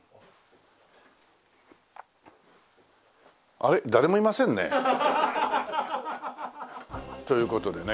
あれっ誰もいませんね。という事でね